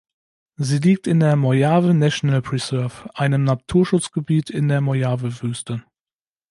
Sie liegt in der Mojave National Preserve, einem Naturschutzgebiet in der Mojavewüste.